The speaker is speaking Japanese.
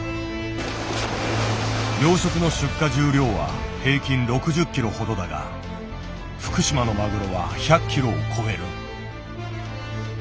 養殖の出荷重量は平均６０ｋｇほどだが福島のマグロは１００ｋｇを超える。